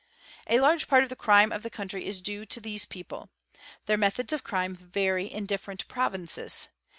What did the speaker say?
_ "A large part of the crime of the country is due to these people. Their methods of crime vary in different provinces.